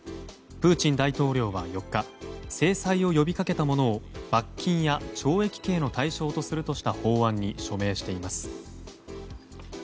プーチン大統領は４日制裁を呼びかけた者を罰金や懲役刑の対象とするとした法案に署名しています。